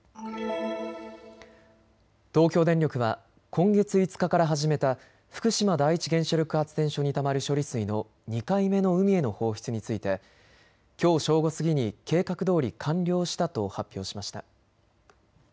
東京電力は今月５日から始めた福島第一原子力発電所にたまる処理水の２回目の海への放出についてきょう正午過ぎに計画どおり完了したと発表しました。